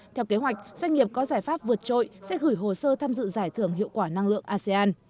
theo kế hoạch doanh nghiệp có giải pháp vượt trội sẽ gửi hồ sơ tham dự giải thưởng hiệu quả năng lượng asean